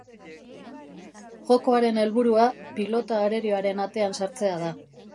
Jokoaren helburua pilota arerioaren atean sartzea da.